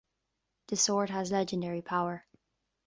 The sword has legendary power.